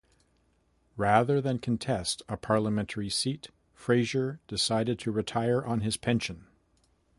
Rather than contest a parliamentary seat, Fraser decided to retire on his pension.